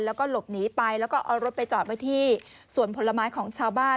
แล้วก็หลบหนีไปแล้วก็เอารถไปจอดไว้ที่สวนผลไม้ของชาวบ้าน